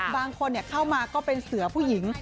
บางคนเข้ามาก็เป็นเสือผู้หญิง